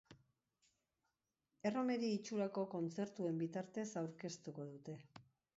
Erromeri itxurako kontzertuen bitartez aurkeztuko dute.